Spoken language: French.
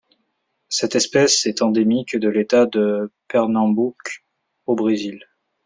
Cette espèce est endémique de l'État de Pernambouc au Brésil.